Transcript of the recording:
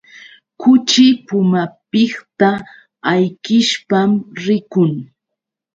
Kuchi pumapiqta ayqishpam rikun.